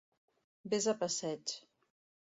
Ves a passeig!